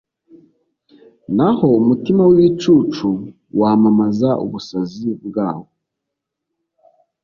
naho umutima w'ibicucu wamamaza ubusazi bwawo